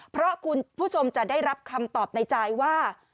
เพราะคุณผู้ชมจะได้รับคำตอบในใจว่า